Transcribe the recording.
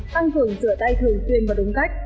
căn thường sửa tay thường tuyên vào đúng cách